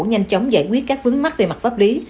nhanh chóng giải quyết các vướng mắc về mặt pháp lý